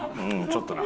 ちょっとな。